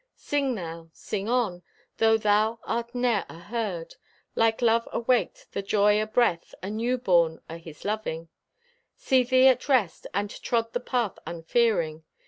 Sing thou, sing on, though thou art ne'er aheard— Like love awaked, the joy o' breath Anew born o' His loving. Set thee at rest, and trod the path unfearing.